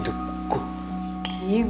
nah uke traveling bisa